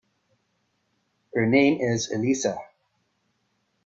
Her name is Elisa.